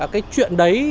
cái chuyện đấy